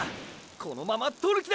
このまま獲る気だ！！